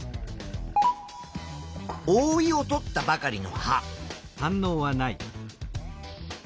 おおいをとったばかりの葉。